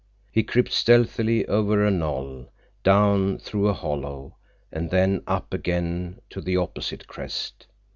He crept stealthily over a knoll, down through a hollow, and then up again to the opposite crest.